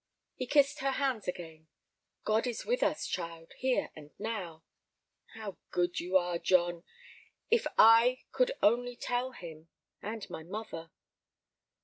He kissed her hands again. "God is with us, child, here and now." "How good you are, John! If I could only tell him—and my mother."